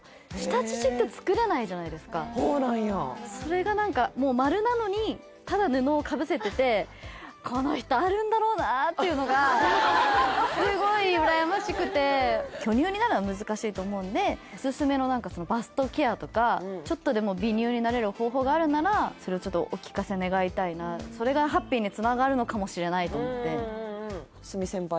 そうなんやそれが何かもう丸なのにただ布をかぶせててっていうのがすごい羨ましくて巨乳になるのは難しいと思うんでちょっとでも美乳になれる方法があるならそれをちょっとお聞かせ願いたいなそれがハッピーにつながるのかもしれないと思ってええ